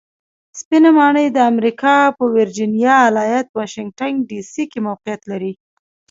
سپینه ماڼۍ د امریکا په ویرجینیا ایالت واشنګټن ډي سي کې موقیعت لري.